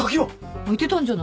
開いてたんじゃない？